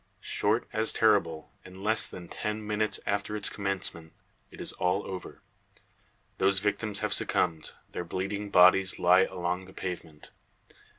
Short as terrible; in less than ten minutes after its commencement it is all over. The victims have succumbed, their bleeding bodies lie along the pavement.